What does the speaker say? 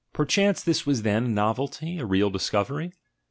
Perchance this was then a novelty, a real discovery?